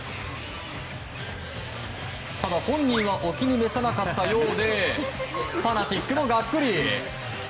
ただ、本人はお気に召さなかったようでファナティックもガックリ。